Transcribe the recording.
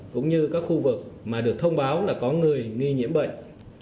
cũng như các khu vực mà được thông báo là có người nghi nhiễm bệnh